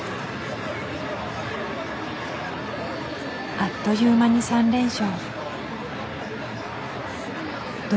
あっという間に３連勝。